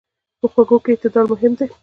په خوږو کې اعتدال مهم دی.